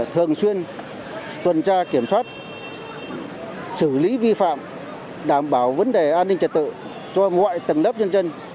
thường xuyên tuần tra kiểm soát xử lý vi phạm đảm bảo vấn đề an ninh trẻ tự cho ngoại tầng lớp dân dân